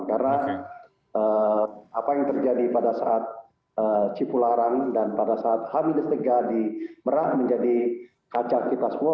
karena apa yang terjadi pada saat cipularang dan pada saat h tiga di merak menjadi kaca kita semua